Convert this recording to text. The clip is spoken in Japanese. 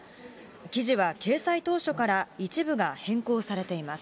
記事は掲載当初から一部が変更されています。